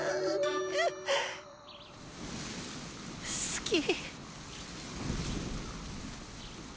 好き。